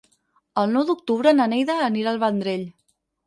El nou d'octubre na Neida anirà al Vendrell.